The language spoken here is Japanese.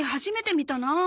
初めて見たな。